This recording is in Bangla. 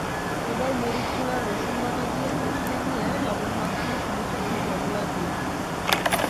এবার মরিচ গুঁড়া, রসুনবাটা দিয়ে কষিয়ে নিয়ে লবণ মাখানো ইলিশের টুকরাগুলো দিন।